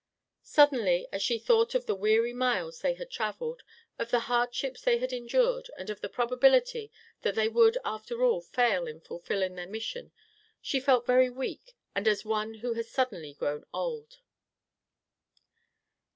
Suddenly, as she thought of the weary miles they had travelled, of the hardships they had endured, and of the probability that they would, after all, fail in fulfilling their mission, she felt very weak and as one who has suddenly grown old.